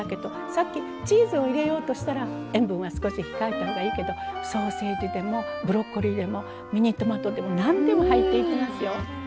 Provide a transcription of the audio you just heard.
さっきチーズを入れようとしたら塩分は少し控えた方がいいけどソーセージでもブロッコリーでもミニトマトでも何でも入っていきますよ。